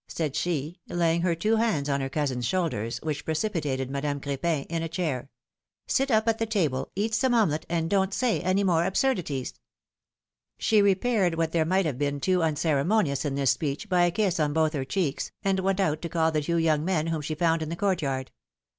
'^ said she, laying her two hands on her cousin's shoulders, which precipitated Madame Cr4pin in a chair ; sit up at the table, eat some omelette, and don't say any more absurdities !" She repaired what there might have been too uncere monious in this speech by a kiss on both her cheeks, and went out to call the two young men, w^hom she found in the court yard.